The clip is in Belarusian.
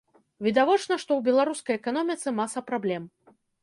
Відавочна, што ў беларускай эканоміцы маса праблем.